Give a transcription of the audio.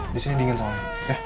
di sini dingin soalnya